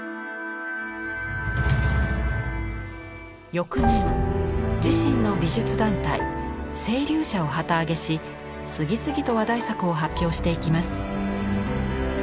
翌年自身の美術団体「青龍社」を旗揚げし次々と話題作を発表していきます。